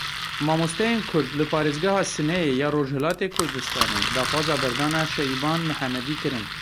Mamosteyên Kurd li parêzgeha Sineyê ya Rojhilatê Kurdistanê daxwaza berdana Şeiban Mihemedî kirin.